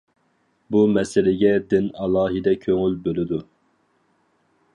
بۇ مەسىلىگە دىن ئالاھىدە كۆڭۈل بۆلىدۇ.